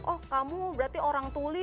oh kamu berarti orang tuli